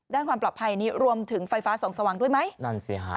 ด้านความปลอดภัยนี้รวมถึงไฟฟ้าส่องสว่างด้วยไหมนั่นสิฮะ